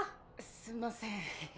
すんません。